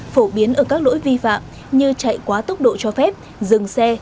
phổ biến ở các lỗi vi phạm như chạy quá tốc độ cho phép dừng xe